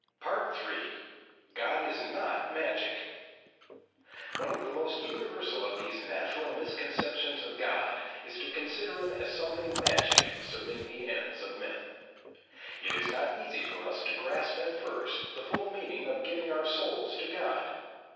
3. GOD IS NOT MAGIC One of the most universal of these natural misconceptions of God is to consider him as something magic serving the ends of men. It is not easy for us to grasp at first the full meaning of giving our souls to God.